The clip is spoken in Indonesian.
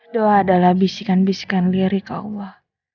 doa adalah bisikan bisikan lirik ke allah